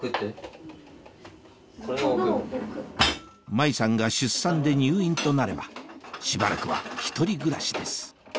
麻衣さんが出産で入院となればしばらくは１人暮らしです